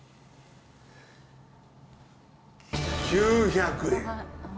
９００円。